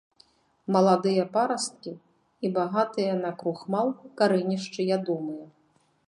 Маладыя парасткі і багатыя на крухмал карэнішчы ядомыя.